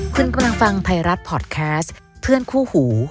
คุณกำลังฟังไทยรัฐพอร์ตแคสต์เพื่อนคู่หู